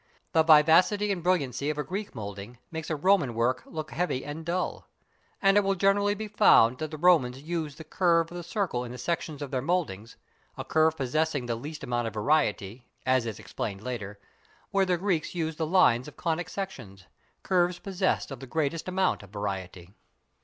The vivacity and brilliancy of a Greek moulding makes a Roman work look heavy and dull. And it will generally be found that the Romans used the curve of the circle in the sections of their mouldings, a curve possessing the least amount of variety, as is explained later, where the Greeks used the lines of conic sections, curves possessed of the greatest amount of variety.